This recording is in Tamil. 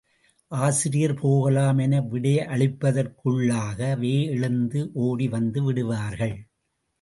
ஆசிரியர் போகலாம் என விடையளிப்பதற்குள்ளாகவே எழுந்து ஓடி வந்து விடுவார்கள்.